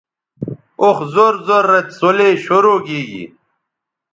اوخ زور زور رے څلے شروع گی